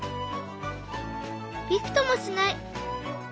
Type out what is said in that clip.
びくともしない！